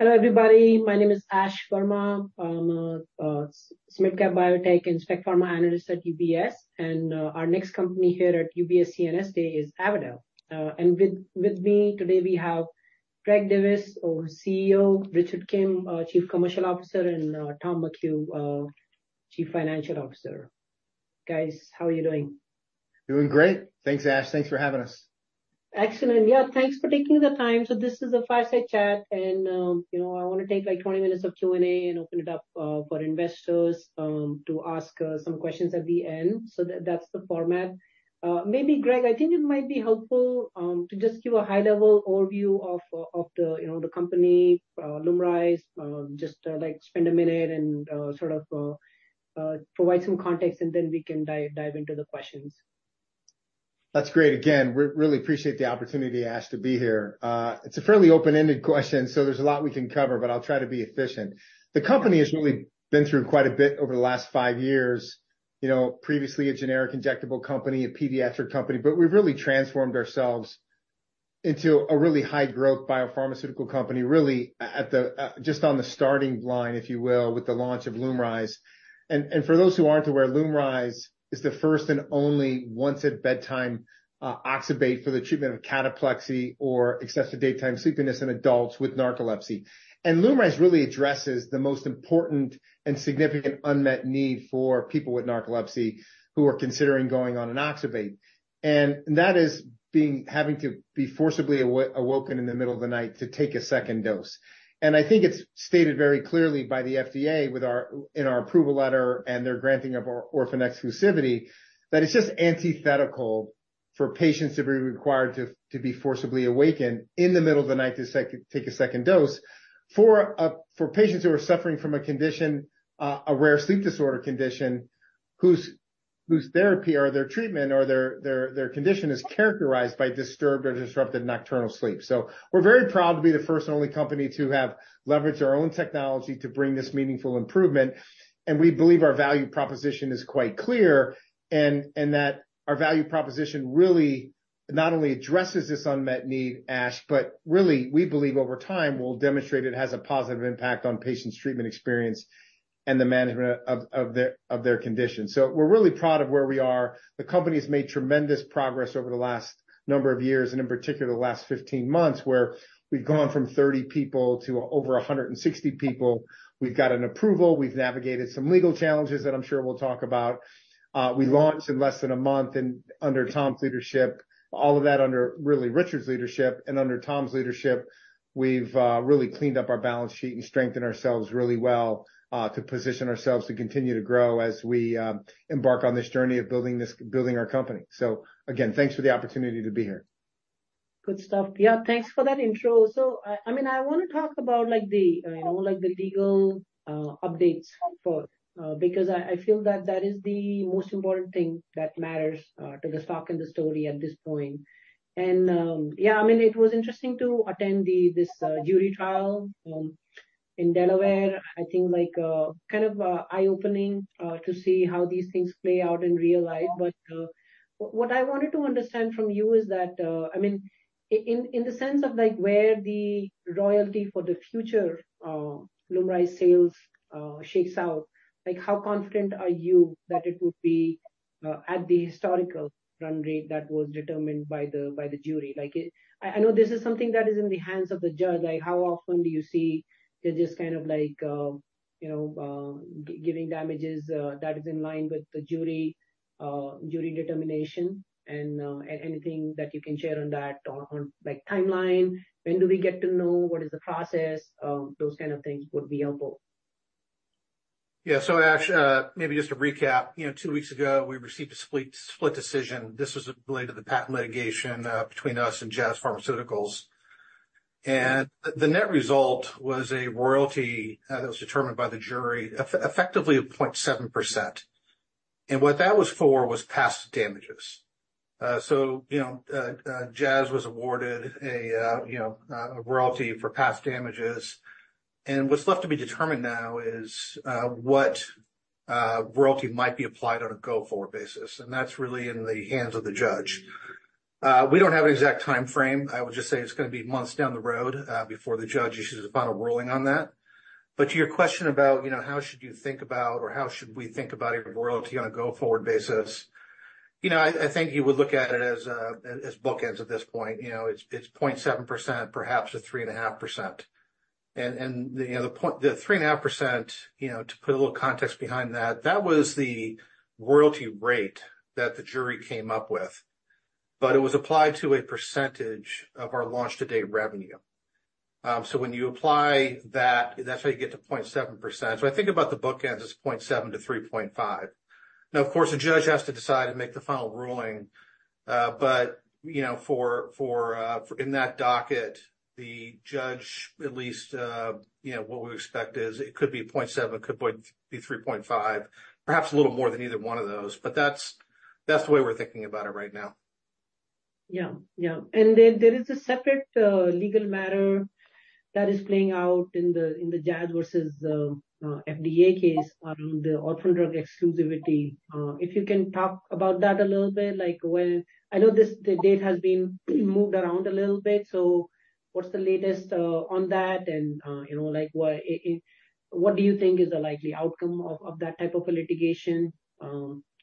Hello, everybody. My name is Ashwani Verma. I'm a mid-cap biotech and spec pharma analyst at UBS, and our next company here at UBS CNS Day is Avadel. With me today, we have Gregory Divis, our CEO, Richard Kim, our Chief Commercial Officer, and Thomas McHugh, Chief Financial Officer. Guys, how are you doing? Doing great. Thanks, Ash. Thanks for having us. Excellent. Yeah, thanks for taking the time. So this is a fireside chat, and, you know, I wanna take, like, 20 minutes of Q&A and open it up, for investors, to ask, some questions at the end. So that, that's the format. Maybe, Greg, I think it might be helpful, to just give a high-level overview of, of the, you know, the company, LUMRYZ. Just, like, spend a minute and, sort of, provide some context, and then we can dive, dive into the questions. That's great. Again, we really appreciate the opportunity, Ash, to be here. It's a fairly open-ended question, so there's a lot we can cover, but I'll try to be efficient. The company has really been through quite a bit over the last five years, you know, previously a generic injectable company, a pediatric company, but we've really transformed ourselves into a really high-growth biopharmaceutical company, really, at the, just on the starting line, if you will, with the launch of LUMRYZ. And, and for those who aren't aware, LUMRYZ is the first and only once-at-bedtime, oxybate for the treatment of cataplexy or excessive daytime sleepiness in adults with narcolepsy. And LUMRYZ really addresses the most important and significant unmet need for people with narcolepsy who are considering going on an oxybate, and that is being... having to be forcibly awoken in the middle of the night to take a second dose. And I think it's stated very clearly by the FDA with our, in our approval letter and their granting of our orphan exclusivity, that it's just antithetical for patients to be required to, to be forcibly awakened in the middle of the night to take a second dose, for, for patients who are suffering from a condition, a rare sleep disorder condition, whose, whose therapy or their treatment or their, their, their condition is characterized by disturbed or disrupted nocturnal sleep. So we're very proud to be the first and only company to have leveraged our own technology to bring this meaningful improvement, and we believe our value proposition is quite clear, and that our value proposition really not only addresses this unmet need, Ash, but really we believe over time we'll demonstrate it has a positive impact on patients' treatment experience and the management of their condition. So we're really proud of where we are. The company has made tremendous progress over the last number of years, and in particular, the last 15 months, where we've gone from 30 people to over 160 people. We've got an approval. We've navigated some legal challenges that I'm sure we'll talk about. We launched in less than a month, and under Tom's leadership, all of that under, really, Richard's leadership and under Tom's leadership, we've really cleaned up our balance sheet and strengthened ourselves really well, to position ourselves to continue to grow as we embark on this journey of building this... building our company. So again, thanks for the opportunity to be here. Good stuff. Yeah, thanks for that intro. So, I mean, I wanna talk about, like, the, you know, like, the legal updates for... Because I feel that that is the most important thing that matters to the stock and the story at this point. And, yeah, I mean, it was interesting to attend this jury trial in Delaware. I think, like, kind of eye-opening to see how these things play out in real life. But, what I wanted to understand from you is that, I mean, in the sense of, like, where the royalty for the future LUMRYZ sales shakes out, like, how confident are you that it would be at the historical run rate that was determined by the jury? Like, it... I know this is something that is in the hands of the judge, like, how often do you see the judge just kind of like, you know, giving damages that is in line with the jury determination? And anything that you can share on that or on, like, timeline, when do we get to know? What is the process? Those kind of things would be helpful. Yeah. So Ash, maybe just to recap, you know, two weeks ago, we received a split decision. This was related to the patent litigation between us and Jazz Pharmaceuticals. And the net result was a royalty that was determined by the jury, effectively at 0.7%. And what that was for was past damages. So, you know, Jazz was awarded a royalty for past damages. And what's left to be determined now is what royalty might be applied on a go-forward basis, and that's really in the hands of the judge. We don't have an exact timeframe. I would just say it's gonna be months down the road before the judge issues a final ruling on that. But to your question about, you know, how should you think about, or how should we think about a royalty on a go-forward basis? You know, I think you would look at it as bookends at this point. You know, it's 0.7%, perhaps a 3.5%. And you know, the 3.5%, you know, to put a little context behind that, that was the royalty rate that the jury came up with, but it was applied to a percentage of our launch-to-date revenue. So when you apply that, that's how you get to 0.7%. So I think about the bookends as 0.7% to 3.5%. Now, of course, the judge has to decide to make the final ruling, but you know, for, for, for... In that docket, the judge, at least, you know, what we expect is it could be 0.7%, it could be 3.5%, perhaps a little more than either one of those. But that's, that's the way we're thinking about it right now. ... Yeah, yeah. And then there is a separate legal matter that is playing out in the Jazz versus FDA case on the orphan drug exclusivity. If you can talk about that a little bit, like, when—I know this, the date has been moved around a little bit, so what's the latest on that? And, you know, like, what do you think is the likely outcome of that type of a litigation?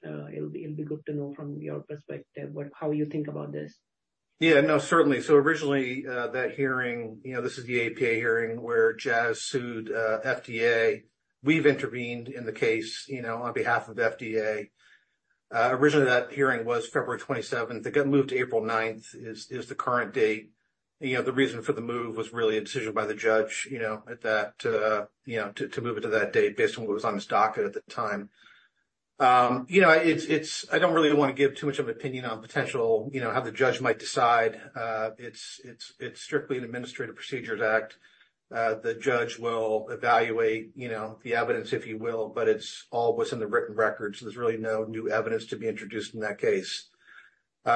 It'll be good to know from your perspective, what, how you think about this. Yeah, no, certainly. So originally, that hearing, you know, this is the APA hearing where Jazz sued, FDA. We've intervened in the case, you know, on behalf of FDA. Originally, that hearing was February 27th. It got moved to April 9th, is the current date. You know, the reason for the move was really a decision by the judge, you know, at that, to move it to that date based on what was on his docket at the time. You know, it's... I don't really want to give too much of an opinion on potential, you know, how the judge might decide. It's strictly an Administrative Procedure Act. The judge will evaluate, you know, the evidence, if you will, but it's all what's in the written record, so there's really no new evidence to be introduced in that case.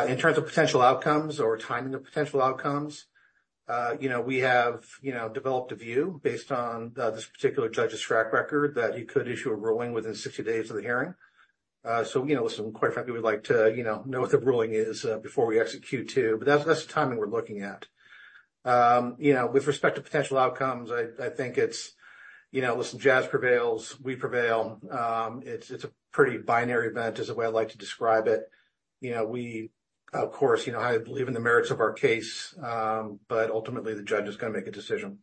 In terms of potential outcomes or timing of potential outcomes, you know, we have, you know, developed a view based on, this particular judge's track record, that he could issue a ruling within 60 days of the hearing. So, you know, listen, quite frankly, we'd like to, you know, know what the ruling is, before we execute, too. But that's, that's the timing we're looking at. You know, with respect to potential outcomes, I think it's, you know, listen, Jazz prevails, we prevail. It's a pretty binary event, is the way I'd like to describe it. You know, we... Of course, you know, I believe in the merits of our case, but ultimately, the judge is gonna make a decision.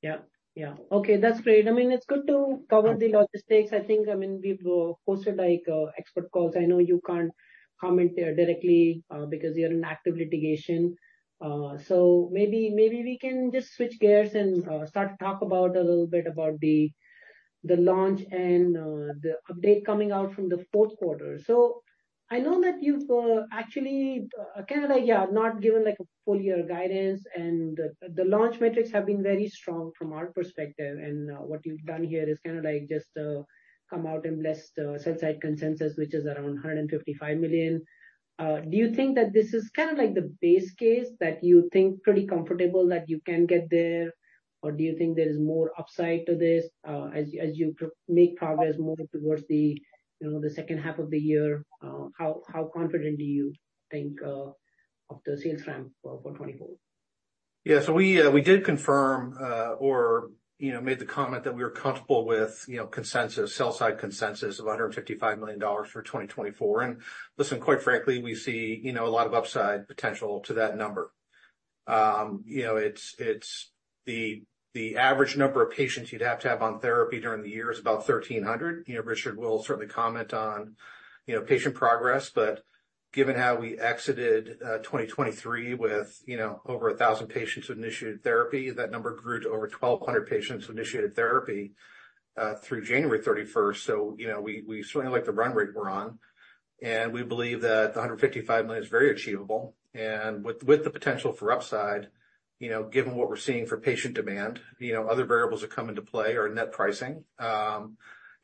Yeah, yeah. Okay, that's great. I mean, it's good to cover the logistics. I think, I mean, we've hosted, like, expert calls. I know you can't comment there directly, because you're in active litigation. So maybe, maybe we can just switch gears and start to talk about a little bit about the launch and the update coming out from the fourth quarter. So I know that you've actually kind of like, yeah, not given, like, a full year guidance, and the launch metrics have been very strong from our perspective. And what you've done here is kind of like just come out and bless the sell side consensus, which is around $155 million. Do you think that this is kind of like the base case, that you think pretty comfortable that you can get there? Or do you think there is more upside to this, as you make progress moving towards the, you know, the second half of the year? How confident do you think of the sales ramp for 2024? Yeah. So we did confirm, or, you know, made the comment that we were comfortable with, you know, consensus, sell side consensus of $155 million for 2024. And listen, quite frankly, we see, you know, a lot of upside potential to that number. You know, it's. The average number of patients you'd have to have on therapy during the year is about 1,300. You know, Richard will certainly comment on, you know, patient progress, but given how we exited 2023 with, you know, over 1,000 patients who initiated therapy, that number grew to over 1,200 patients who initiated therapy through January 31st. So, you know, we certainly like the run rate we're on, and we believe that the $155 million is very achievable. With the potential for upside, you know, given what we're seeing for patient demand, you know, other variables that come into play are net pricing.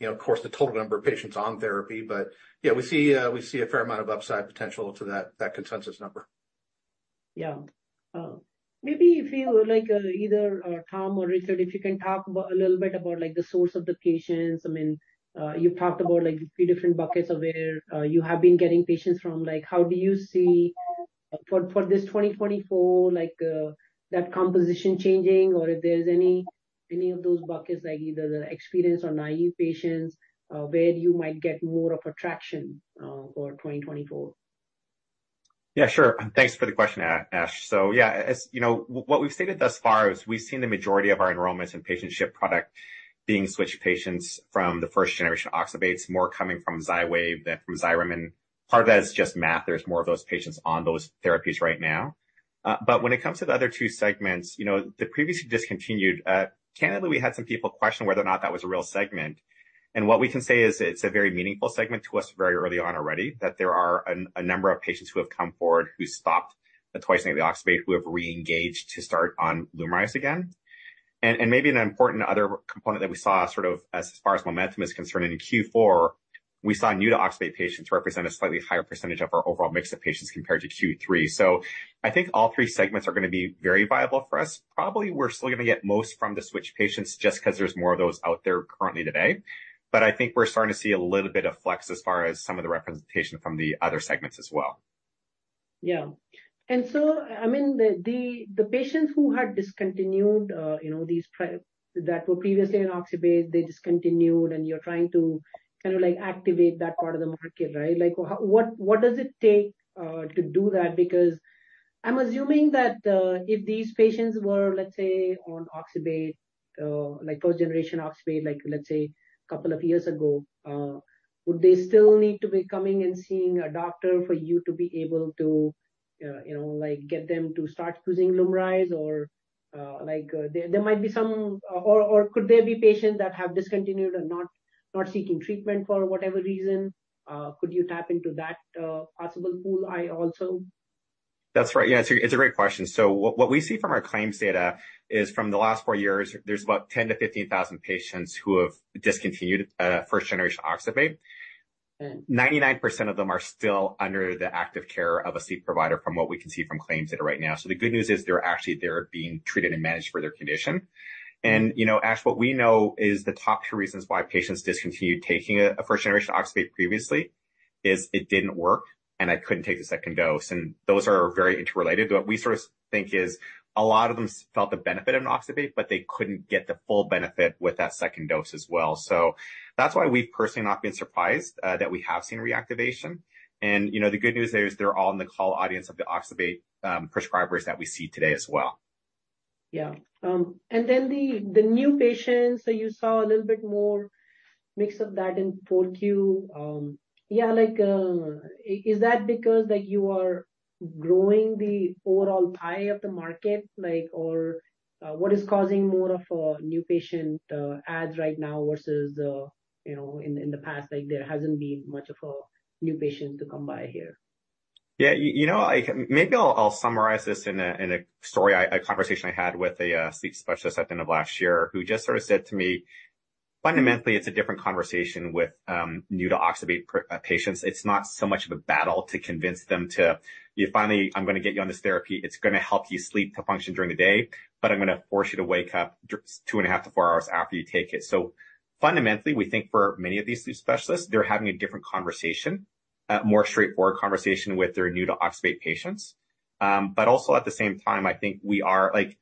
You know, of course, the total number of patients on therapy. But yeah, we see, we see a fair amount of upside potential to that consensus number. Yeah. Maybe if you like, Tom or Richard, if you can talk about a little bit about, like, the source of the patients. I mean, you talked about, like, the three different buckets of where you have been getting patients from, like, how do you see for, for this 2024, like, that composition changing? Or if there's any, any of those buckets, like either the experienced or naive patients, where you might get more of attraction, for 2024? Yeah, sure. Thanks for the question, Ash. So yeah, as you know, what we've stated thus far is we've seen the majority of our enrollments in patient ship product being switched patients from the first generation oxybates, more coming from Xywav than from Xyrem, and part of that is just math. There's more of those patients on those therapies right now. But when it comes to the other two segments, you know, the previously discontinued, candidly, we had some people question whether or not that was a real segment. And what we can say is it's a very meaningful segment to us very early on already, that there are a number of patients who have come forward, who stopped the twice-daily oxybate, who have reengaged to start on LUMRYZ again. Maybe an important other component that we saw, sort of, as far as momentum is concerned, in Q4, we saw new to oxybate patients represent a slightly higher percentage of our overall mix of patients compared to Q3. I think all three segments are gonna be very viable for us. Probably, we're still gonna get most from the switch patients, just 'cause there's more of those out there currently today. I think we're starting to see a little bit of flex as far as some of the representation from the other segments as well. Yeah. And so, I mean, the patients who had discontinued, you know, that were previously on oxybate, they discontinued, and you're trying to kind of, like, activate that part of the market, right? Like, what does it take to do that? Because I'm assuming that, if these patients were, let's say, on oxybate, like, first generation oxybate, like, let's say, couple of years ago, would they still need to be coming and seeing a doctor for you to be able to, you know, like, get them to start using LUMRYZ? Or, like, there might be some... Or, could there be patients that have discontinued and not seeking treatment for whatever reason? Could you tap into that possible pool, also? That's right. Yeah, it's a great question. So what we see from our claims data is, from the last four years, there's about 10-15,000 patients who have discontinued first-generation oxybate. 99% of them are still under the active care of a sleep provider from what we can see from claims data right now. So the good news is they're actually being treated and managed for their condition. And, you know, Ash, what we know is the top two reasons why patients discontinued taking a first-generation oxybate previously is it didn't work, and I couldn't take the second dose, and those are very interrelated. What we sort of think is a lot of them felt the benefit of an oxybate, but they couldn't get the full benefit with that second dose as well. That's why we've personally not been surprised that we have seen reactivation. You know, the good news there is they're all in the core audience of the oxybate prescribers that we see today as well. Yeah. And then the new patients that you saw a little bit more mix of that in 4Q. Yeah, like, is that because, like, you are growing the overall pie of the market? Like, or what is causing more of a new patient adds right now versus, you know, in the past, like, there hasn't been much of a new patient to come by here. Yeah, you know, maybe I'll summarize this in a story. A conversation I had with a sleep specialist at the end of last year, who just sort of said to me, "Fundamentally, it's a different conversation with new to oxybate patients. It's not so much of a battle to convince them to you finally. I'm going to get you on this therapy. It's going to help you sleep to function during the day, but I'm going to force you to wake up two and a half to four hours after you take it." So fundamentally, we think for many of these sleep specialists, they're having a different conversation, more straightforward conversation with their new to oxybate patients. But also, at the same time, I think we are like,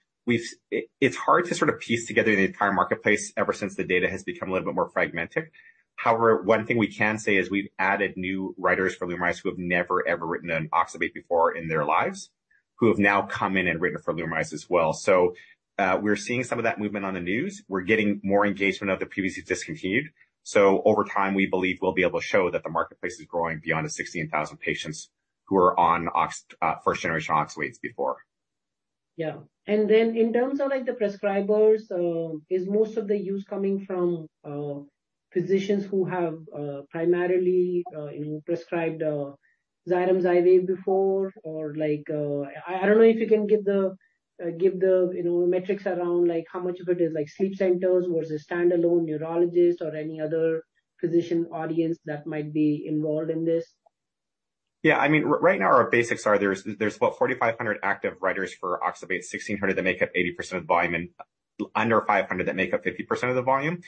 it's hard to sort of piece together the entire marketplace ever since the data has become a little bit more fragmented. However, one thing we can say is we've added new writers for LUMRYZ who have never, ever written an oxybate before in their lives, who have now come in and written for LUMRYZ as well. So, we're seeing some of that movement on the news. We're getting more engagement of the PVC discontinued. So over time, we believe we'll be able to show that the marketplace is growing beyond the 16,000 patients who are on first-generation oxybates before. Yeah. And then in terms of, like, the prescribers, is most of the use coming from physicians who have primarily you know prescribed Xyrem Xywav before? Or like, I don't know if you can give the you know metrics around, like, how much of it is like sleep centers versus standalone neurologists or any other physician audience that might be involved in this. Yeah, I mean, right now, our basics are there's about 4,500 active writers for oxybate, 1,600 that make up 80% of the volume, and under 500 that make up 50% of the volume.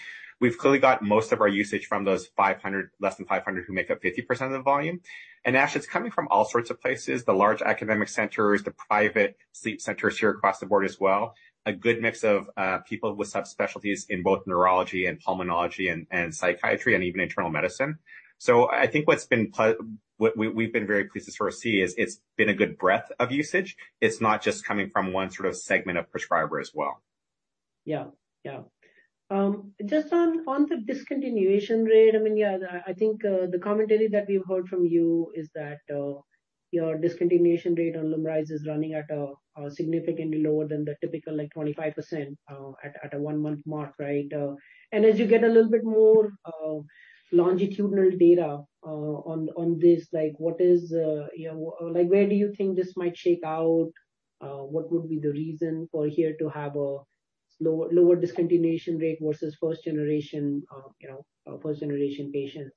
We've clearly got most of our usage from those 500, less than 500, who make up 50% of the volume. And Ash, it's coming from all sorts of places, the large academic centers, the private sleep centers here across the board as well. A good mix of people with subspecialties in both neurology and pulmonology and psychiatry and even internal medicine. So I think what we, we've been very pleased to sort of see is it's been a good breadth of usage. It's not just coming from one sort of segment of prescriber as well. Yeah. Yeah. Just on the discontinuation rate, I mean, yeah, I think the commentary that we've heard from you is that your discontinuation rate on LUMRYZ is running at a significantly lower than the typical, like, 25% at a one-month mark, right? And as you get a little bit more longitudinal data on this, like, what is, you know... Like, where do you think this might shake out? What would be the reason for here to have a lower discontinuation rate versus first generation, you know, first-generation patients?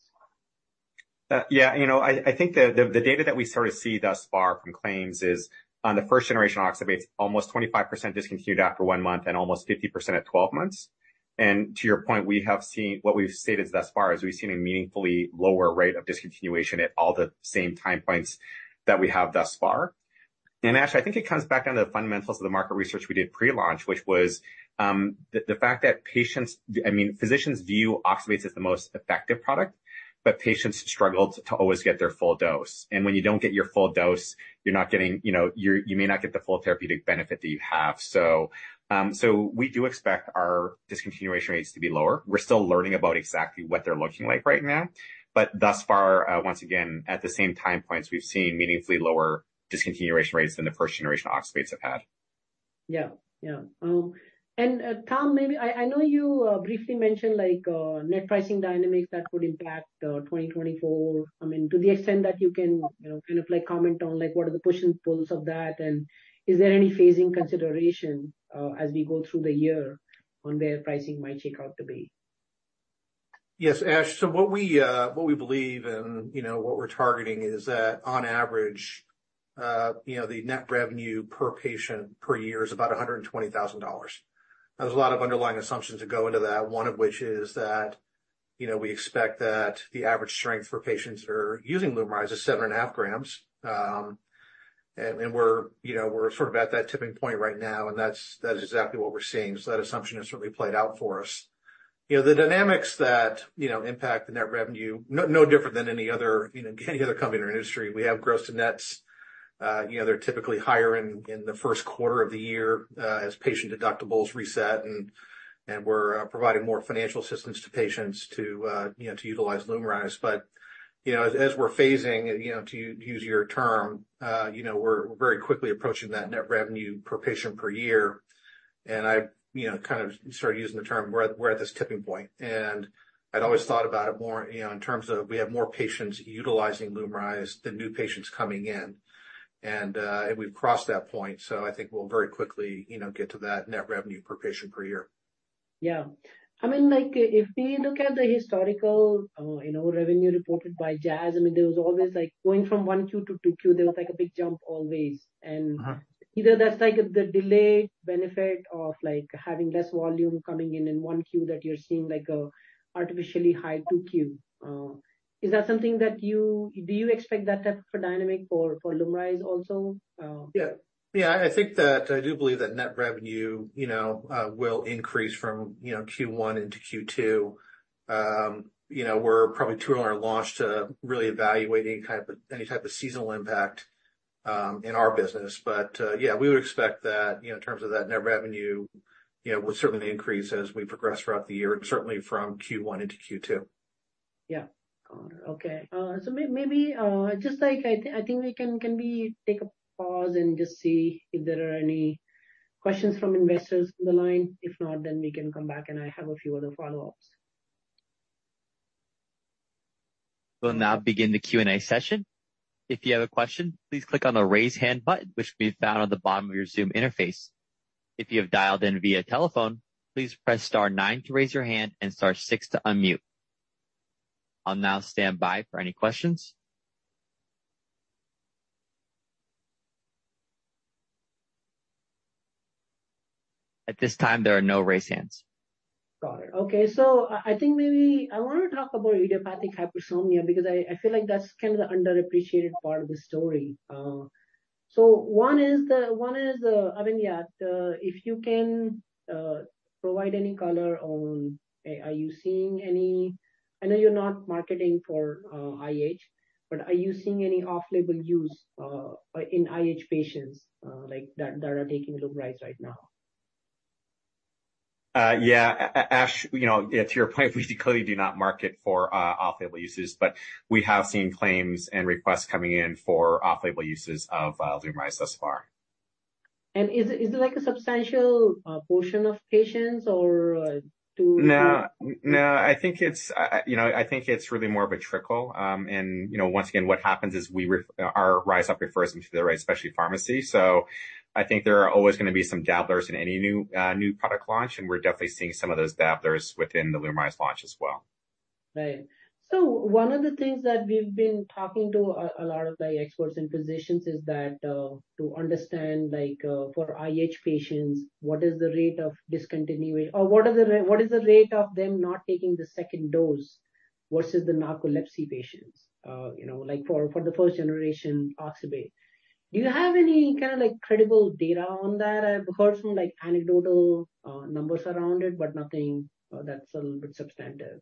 Yeah, you know, I think the data that we sort of see thus far from claims is, on the first generation of oxybates, almost 25% discontinued after one month and almost 50% at 12 months. And to your point, we have seen... What we've stated thus far is we've seen a meaningfully lower rate of discontinuation at all the same time points that we have thus far. And Ash, I think it comes back down to the fundamentals of the market research we did pre-launch, which was the fact that patients, I mean, physicians view oxybates as the most effective product, but patients struggled to always get their full dose. And when you don't get your full dose, you're not getting... You know, you may not get the full therapeutic benefit that you have. We do expect our discontinuation rates to be lower. We're still learning about exactly what they're looking like right now. But thus far, once again, at the same time points, we've seen meaningfully lower discontinuation rates than the first-generation oxybates have had. Yeah. Yeah. And, Tom, maybe I know you briefly mentioned, like, net pricing dynamics that would impact 2024. I mean, to the extent that you can, you know, kind of like comment on, like, what are the pushes and pulls of that, and is there any phasing consideration as we go through the year on where pricing might shake out to be? Yes, Ash. So what we believe and, you know, what we're targeting is that on average, you know, the net revenue per patient per year is about $120,000. There's a lot of underlying assumptions that go into that. One of which is that, you know, we expect that the average strength for patients who are using LUMRYZ is 7.5 grams. And we're, you know, we're sort of at that tipping point right now, and that's exactly what we're seeing. So that assumption has certainly played out for us. You know, the dynamics that, you know, impact the net revenue, no different than any other, you know, any other company or industry. We have gross to nets. You know, they're typically higher in the first quarter of the year, as patient deductibles reset, and we're providing more financial assistance to patients to, you know, to utilize LUMRYZ. But, you know, as we're phasing, you know, to use your term, you know, we're very quickly approaching that net revenue per patient per year. And I, you know, kind of started using the term, we're at this tipping point, and I'd always thought about it more, you know, in terms of we have more patients utilizing LUMRYZ than new patients coming in. And we've crossed that point, so I think we'll very quickly, you know, get to that net revenue per patient per year.... Yeah. I mean, like, if we look at the historical, you know, revenue reported by Jazz, I mean, there was always, like, going from one Q to two Q, there was, like, a big jump always. Uh-huh. Either that's, like, the delayed benefit of, like, having less volume coming in in Q1 that you're seeing, like, a artificially high Q2. Is that something that you... Do you expect that type of dynamic for LUMRYZ also? Yeah. Yeah, I think that I do believe that net revenue, you know, will increase from, you know, Q1 into Q2. You know, we're probably too early in our launch to really evaluate any type of, any type of seasonal impact, in our business. But, yeah, we would expect that, you know, in terms of that net revenue, you know, will certainly increase as we progress throughout the year, and certainly from Q1 into Q2. Yeah. Got it. Okay. So maybe just like, I think we can... Can we take a pause and just see if there are any questions from investors on the line? If not, then we can come back, and I have a few other follow-ups. We'll now begin the Q&A session. If you have a question, please click on the Raise Hand button, which can be found on the bottom of your Zoom interface. If you have dialed in via telephone, please press star nine to raise your hand and star six to unmute. I'll now stand by for any questions. At this time, there are no raised hands. Got it. Okay. So I think maybe I want to talk about idiopathic hypersomnia, because I feel like that's kind of the underappreciated part of the story. So, I mean, yeah, the... If you can provide any color on, are you seeing any-- I know you're not marketing for IH, but are you seeing any off-label use in IH patients, like, that are taking LUMRYZ right now? Yeah, Ash, you know, to your point, we clearly do not market for off-label uses, but we have seen claims and requests coming in for off-label uses of LUMRYZ thus far. Is it like a substantial portion of patients or to- No. No, I think it's, you know, I think it's really more of a trickle. And, you know, once again, what happens is our RyzUp refers them to the right specialty pharmacy. So I think there are always going to be some dabblers in any new, new product launch, and we're definitely seeing some of those dabblers within the LUMRYZ launch as well. Right. So one of the things that we've been talking to a lot of, like, experts and physicians, is that, to understand, like, for IH patients, what is the rate of discontinuing or what is the rate of them not taking the second dose versus the narcolepsy patients? You know, like, for the first generation oxybate. Do you have any kind of, like, credible data on that? I've heard some, like, anecdotal numbers around it, but nothing that's a little bit substantive.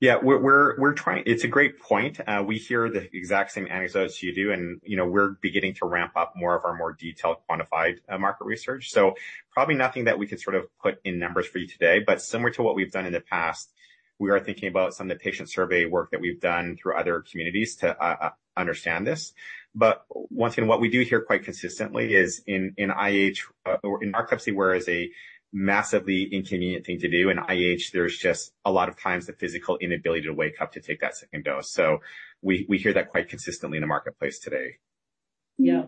Yeah. We're trying... It's a great point. We hear the exact same anecdotes you do, and, you know, we're beginning to ramp up more of our more detailed, quantified market research. So probably nothing that we could sort of put in numbers for you today. But similar to what we've done in the past, we are thinking about some of the patient survey work that we've done through other communities to understand this. But once again, what we do hear quite consistently is in IH or in narcolepsy, where it's a massively inconvenient thing to do, in IH, there's just a lot of times the physical inability to wake up to take that second dose. So we hear that quite consistently in the marketplace today. Yeah.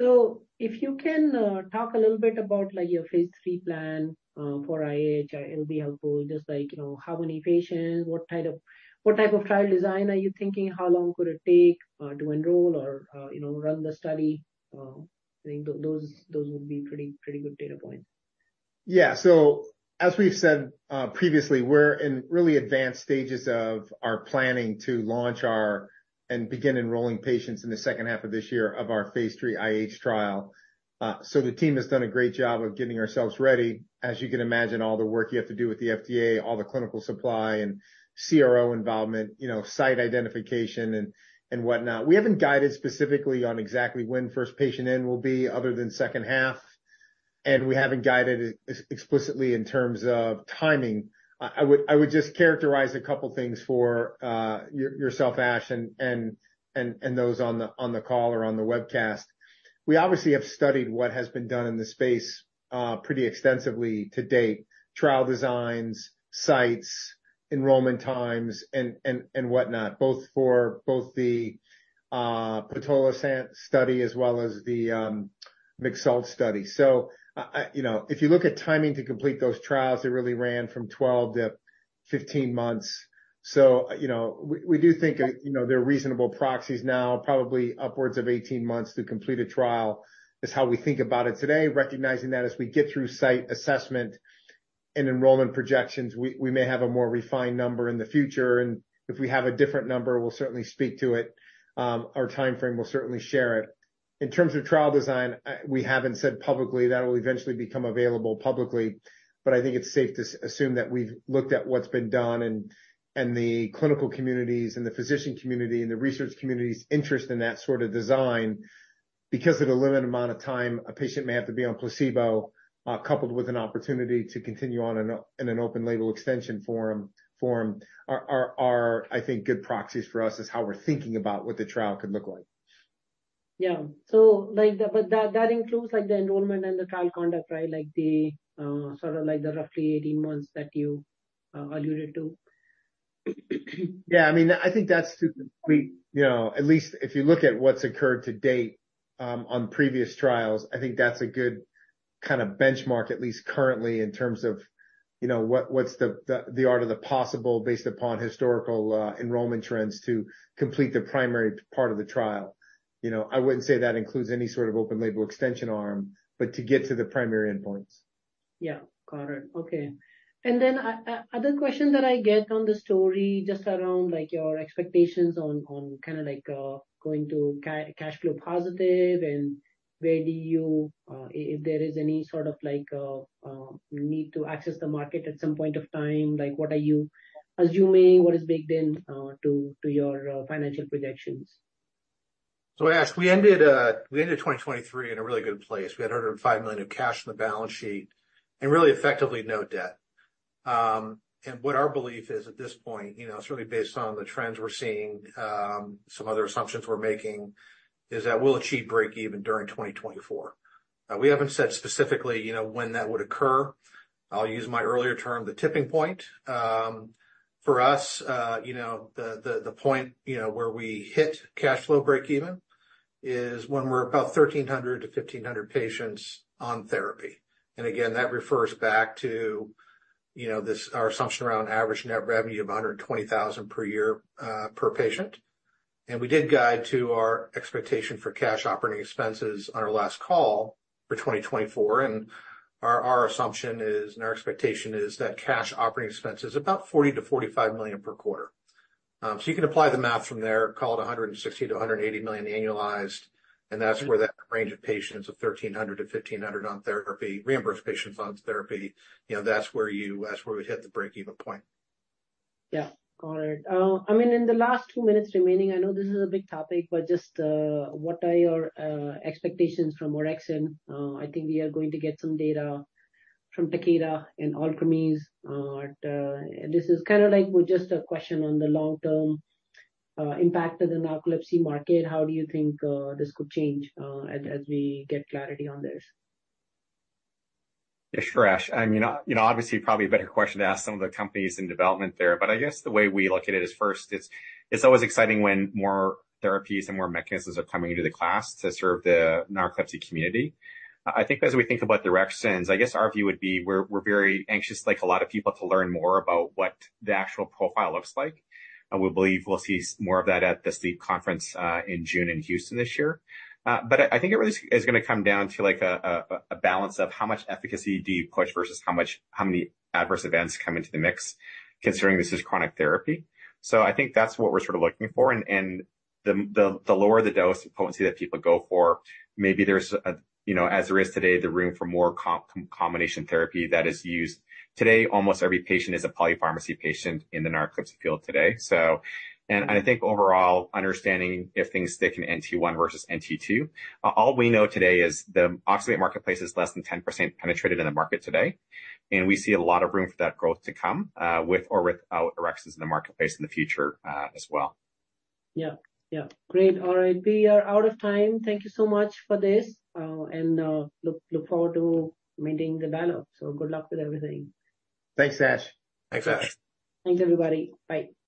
So if you can, talk a little bit about, like, your phase three plan, for IH, it will be helpful. Just like, you know, how many patients, what type of, what type of trial design are you thinking? How long could it take, to enroll or, you know, run the study? I think those, those would be pretty, pretty good data points. Yeah. So as we've said previously, we're in really advanced stages of our planning to launch our... and begin enrolling patients in the second half of this year of our phase three IH trial. So the team has done a great job of getting ourselves ready. As you can imagine, all the work you have to do with the FDA, all the clinical supply and CRO involvement, you know, site identification and whatnot. We haven't guided specifically on exactly when first patient in will be, other than second half, and we haven't guided explicitly in terms of timing. I would just characterize a couple things for yourself, Ash, and those on the call or on the webcast. We obviously have studied what has been done in this space, pretty extensively to date, trial designs, sites, enrollment times and whatnot, both for the pitolisant study as well as the mixed study. So, you know, if you look at timing to complete those trials, they really ran from 12-15 months. So, you know, we do think, you know, they're reasonable proxies now, probably upwards of 18 months to complete a trial, is how we think about it today, recognizing that as we get through site assessment and enrollment projections, we may have a more refined number in the future. And if we have a different number, we'll certainly speak to it. Our timeframe will certainly share it. In terms of trial design, we haven't said publicly. That will eventually become available publicly, but I think it's safe to assume that we've looked at what's been done and the clinical communities, and the physician community, and the research community's interest in that sort of design. Because of the limited amount of time, a patient may have to be on placebo, coupled with an opportunity to continue on in an open label extension forum, are good proxies for us is how we're thinking about what the trial could look like. Yeah. So like but that, that includes, like, the enrollment and the trial conduct, right? Like the, sort of like the roughly 18 months that you alluded to.... Yeah, I mean, I think that's too complete. You know, at least if you look at what's occurred to date, on previous trials, I think that's a good kind of benchmark, at least currently, in terms of, you know, what's the art of the possible based upon historical enrollment trends to complete the primary part of the trial. You know, I wouldn't say that includes any sort of open label extension arm, but to get to the primary endpoints. Yeah, got it. Okay. And then, other question that I get on the story, just around, like, your expectations on, on kind of like, going to cash flow positive, and where do you, if there is any sort of like, need to access the market at some point of time, like, what are you assuming? What is baked in, to, to your, financial projections? So, as we ended 2023 in a really good place. We had $105 million of cash on the balance sheet and really effectively no debt. And what our belief is at this point, you know, it's really based on the trends we're seeing, some other assumptions we're making, is that we'll achieve break even during 2024. We haven't said specifically, you know, when that would occur. I'll use my earlier term, the tipping point. For us, you know, the point, you know, where we hit cash flow break even is when we're about 1,300-1,500 patients on therapy. And again, that refers back to, you know, this, our assumption around average net revenue of $120,000 per year, per patient. We did guide to our expectation for cash operating expenses on our last call for 2024, and our, our assumption is, and our expectation is that cash operating expense is about $40 million-$45 million per quarter. So you can apply the math from there, call it $160 million-$180 million annualized, and that's where that range of patients of 1,300-1,500 on therapy, reimbursed patients on therapy, you know, that's where we hit the break-even point. Yeah, got it. I mean, in the last two minutes remaining, I know this is a big topic, but just, what are your expectations from orexin? I think we are going to get some data from Takeda and Alkermes, but, this is kind of like just a question on the long-term impact of the narcolepsy market. How do you think this could change, as we get clarity on this? Yeah, sure, Ash. I mean, you know, obviously probably a better question to ask some of the companies in development there, but I guess the way we look at it is first, it's always exciting when more therapies and more mechanisms are coming into the class to serve the narcolepsy community. I think as we think about directions, I guess our view would be we're very anxious, like a lot of people, to learn more about what the actual profile looks like. And we believe we'll see more of that at the sleep conference in June in Houston this year. But I think it really is gonna come down to, like, a balance of how much efficacy do you push versus how much, how many adverse events come into the mix, considering this is chronic therapy. So I think that's what we're sort of looking for. And the lower the dose potency that people go for, maybe there's a, you know, as there is today, the room for more combination therapy that is used. Today, almost every patient is a polypharmacy patient in the narcolepsy field today. So... And I think overall, understanding if things stick in NT one versus NT two, all we know today is the oxybate marketplace is less than 10% penetrated in the market today, and we see a lot of room for that growth to come, with or without orexins in the marketplace in the future, as well. Yeah, yeah. Great. All right, we are out of time. Thank you so much for this, and look forward to meeting the dialogue. So good luck with everything. Thanks, Ash. Thanks, Ash. Thanks, everybody. Bye.